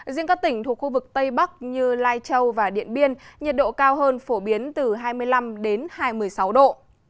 riêng các tỉnh thuộc khu vực tây bắc như lai châu và điện biên nhiệt độ cao hơn phổ biến từ hai mươi năm hai mươi sáu độ